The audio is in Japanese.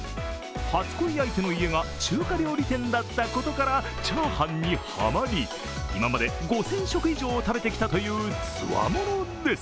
初恋相手の家が中華料理店だったことからチャーハンにハマり、今まで５０００食以上を食べてきたというつわものです。